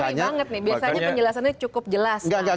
biasanya penjelasannya cukup jelas